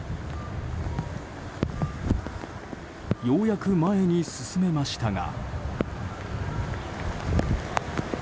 ようやく前に進めましたが。